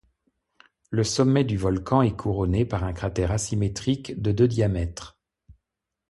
Le sommet du volcan est couronné par un cratère asymétrique de de diamètre.